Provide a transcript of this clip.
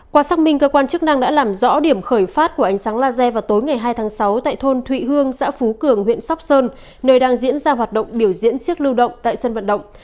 qua xác minh cơ quan chức năng đã làm rõ điểm khởi phát của ánh sáng laser vào tối ngày hai tháng sáu tại thôn thụy hương xã phú cường huyện sóc sơn nơi đang diễn ra hoạt động biểu diễn siếc lưu động tại sân vận động